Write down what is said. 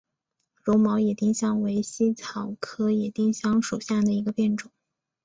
绒毛野丁香为茜草科野丁香属下的一个变种。